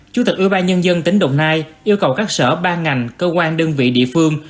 chủ tịch ưu ba nhân dân tỉnh đồng nai yêu cầu các sở ba ngành cơ quan đơn vị địa phương